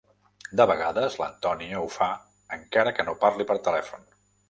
De vegades l'Antonia ho fa encara que no parli per telèfon.